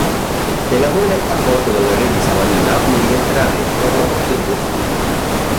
Telamone, accolto dal re di Salamina, ne diventerà re dopo la morte di costui.